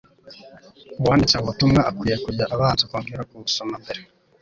uwanditse ubutumwa akwiye kujya abanza kongera kubusoma mbere